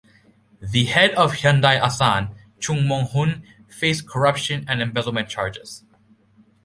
The head of Hyundai Asan, Chung Mong-hun, faced corruption and embezzlement charges.